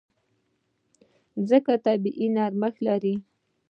مځکه طبیعي زیرمې لري.